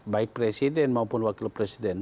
baik presiden maupun wakil presiden